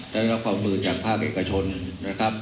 ได้รับความมือจากภาคเอกชนนะครับ